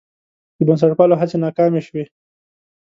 د بنسټپالو هڅې ناکامې شوې.